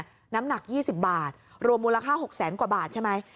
ทองไปเนี่ยน้ำหนักยี่สิบบาทรวมมูลค่าหกแสนกว่าบาทใช่ไหม